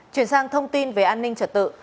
chuyển sang thông tin về an ninh trật tự